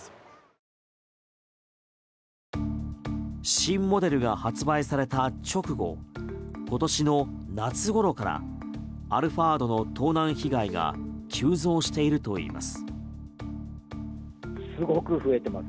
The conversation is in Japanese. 新モデルが発売された直後今年の夏ごろからアルファードの盗難被害が急増しているといいます。